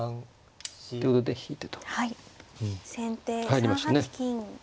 入りましたね。